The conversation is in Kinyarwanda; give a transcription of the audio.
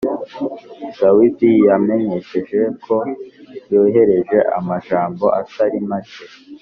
Zawadi yamenyesheje ko yohereje amajambo atari make